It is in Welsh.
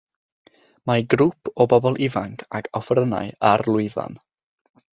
Mae grŵp o bobl ifanc ag offerynnau ar lwyfan.